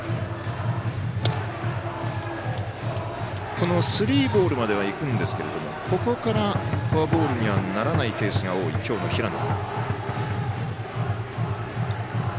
このスリーボールまではいくんですけどここから、フォアボールにはならないケースが多い今日の平野。